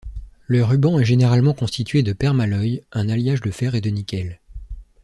Le ruban est généralement constitué de permalloy, un alliage de fer et de nickel.